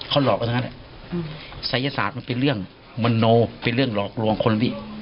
เขาหลอกกันทั้งนั้นศัยศาสตร์มันเป็นเรื่องมโนเป็นเรื่องหลอกลวงคนพี่